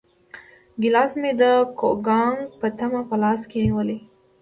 ګیلاس مې د کوګناک په تمه په لاس کې نیولی و.